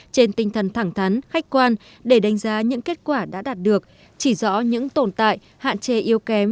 trên tinh thần thẳng thắn khách quan để đánh giá những kết quả đã đạt được chỉ rõ những tồn tại hạn chế yếu kém